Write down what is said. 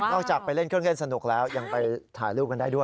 จากไปเล่นเครื่องเล่นสนุกแล้วยังไปถ่ายรูปกันได้ด้วย